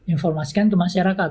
informasikan ke masyarakat